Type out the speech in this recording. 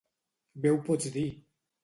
Bé ho pots dir!